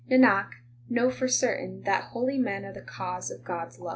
Nanak, know for certain that holy men are the cause of God s love.